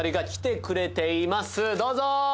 どうぞ。